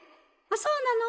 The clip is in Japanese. そうなの？